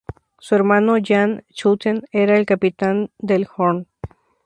Su hermano, Jan Schouten, era el capitán del "Hoorn".